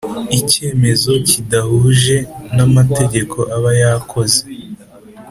icyemezo kidahuje n amategeko aba yakoze